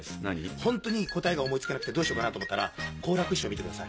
ホントに答えが思い付かなくてどうしようかなと思ったら好楽師匠を見てください。